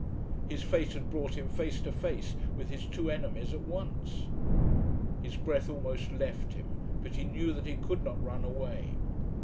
His fate had brought him face to face with his two enemies at once! His breath almost left him, but he knew that he could not run away.